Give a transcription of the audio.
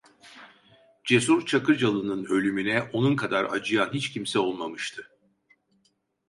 Cesur Çakırcalı'nın ölümüne onun kadar acıyan hiç kimse olmamıştı.